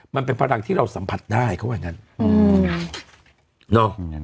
มันเป็นพลังที่เราสัมผัสได้เขาว่างั้น